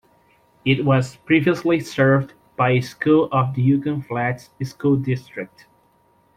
It was previously served by a school of the Yukon Flats School District.